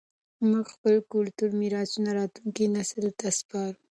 موږ خپل کلتوري میراثونه راتلونکي نسل ته سپارو.